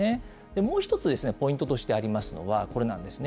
もう１つ、ポイントとしてありますのは、これなんですね。